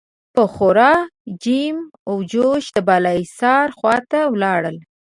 په خورا جم و جوش د بالاحصار خوا ته ولاړل.